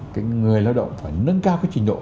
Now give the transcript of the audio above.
cái người lao động phải nâng cao cái trình độ